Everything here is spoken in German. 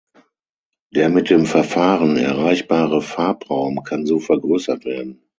Der mit dem Verfahren erreichbare Farbraum kann so vergrößert werden.